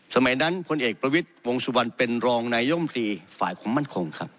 สมัยนั้นพลเอกประวิทย์วงสุวรรณเป็นรองนายมตรีฝ่ายความมั่นคงครับ